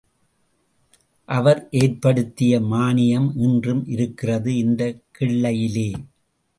அவர் ஏற்படுத்திய மானியம் இன்றும் இருக்கிறது, இந்தக் கிள்ளையிலே.